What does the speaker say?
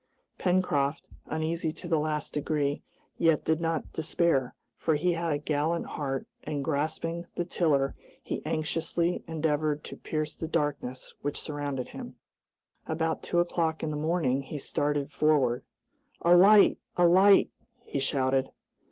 Pencroft, uneasy to the last degree, yet did not despair, for he had a gallant heart, and grasping the tiller he anxiously endeavored to pierce the darkness which surrounded them. About two o'clock in the morning he started forward, "A light! a light!" he shouted.